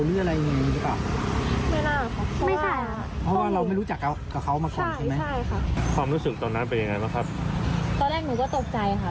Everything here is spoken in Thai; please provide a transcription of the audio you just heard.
ตอนแรกหนูก็ตกใจค่ะ